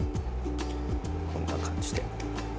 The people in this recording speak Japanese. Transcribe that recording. こんな感じで。